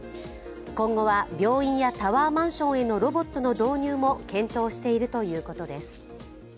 今後は病院やタワーマンションへのロボットの導入も検討しているということです。